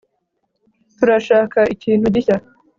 turashaka ikintu gishya